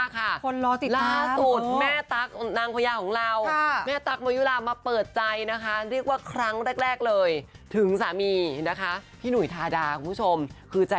ก็คงว่าเรตติ้งปัวปังมากค่ะ